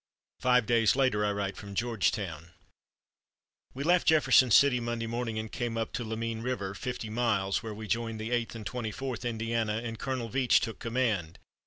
Five days later I write from Georgetown: "We left Jefferson City Monday morning and came up to Lamine River, fifty miles, where we joined the Eighth and Twenty fourth Indiana, and Colonel Veatch took command.